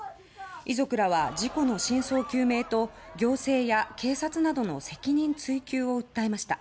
遺族らは、事故の真相究明と行政や警察などの責任追及を訴えました。